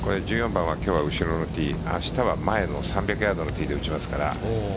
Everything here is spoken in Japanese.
１４番は今日は後ろのティー明日は前の３００ヤードのティーで打ちますから。